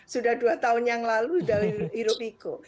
sudah dua tahun yang lalu sudah hirok piko